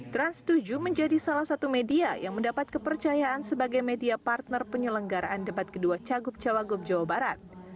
trans tujuh menjadi salah satu media yang mendapat kepercayaan sebagai media partner penyelenggaraan debat kedua cagup cawagup jawa barat